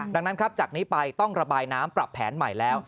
ดังนั้นครับจากนี้ไปต้องระบายน้ำปรับแผนใหม่แล้ว